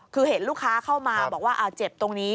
คือเห็นลูกค้าเข้ามาบอกว่าเจ็บตรงนี้